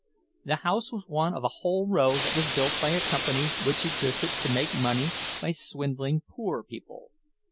The house was one of a whole row that was built by a company which existed to make money by swindling poor people.